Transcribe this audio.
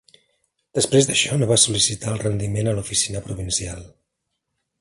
Després d'això no va sol·licitar el rendiment a l'oficina provincial.